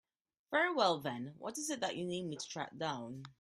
Very well then, what is it that you need me to track down?